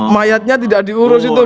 mayatnya tidak diurus itu